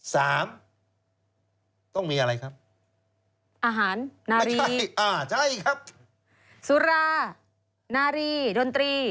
สามต้องมีอะไรครับอาหารน้ำไม่ใช่อ่าใช่ครับสุรานารีดนตรี